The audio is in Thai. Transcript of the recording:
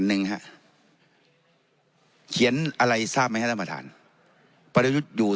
หนึ่งฮะเขียนอะไรทราฟไหมฮัตธบาธาร์ประยุตอยู่